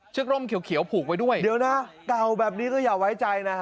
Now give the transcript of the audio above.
กร่มเขียวผูกไว้ด้วยเดี๋ยวนะเก่าแบบนี้ก็อย่าไว้ใจนะฮะ